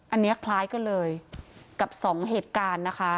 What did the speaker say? อันนี้คล้ายกันเลยกับสองเหตุการณ์นะคะ